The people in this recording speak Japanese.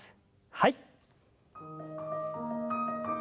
はい。